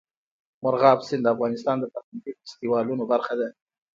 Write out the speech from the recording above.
مورغاب سیند د افغانستان د فرهنګي فستیوالونو برخه ده.